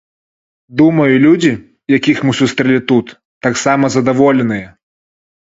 Думаю, людзі, якіх мы сустрэлі тут, таксама задаволеныя.